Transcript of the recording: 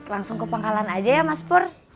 langsung ke pangkalan aja ya mas pur